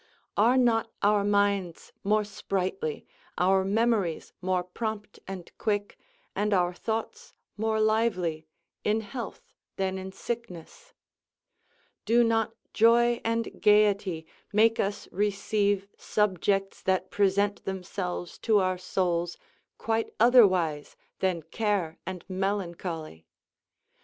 Are not our minds more sprightly, ouï memories more prompt and quick, and our thoughts more lively, in health than in sickness? Do not joy and gayety make us receive subjects that present themselves to our souls quite otherwise than care and melancholy?